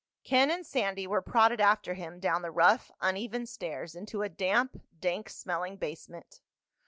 Ken and Sandy were prodded after him down the rough uneven stairs into a damp, dank smelling basement.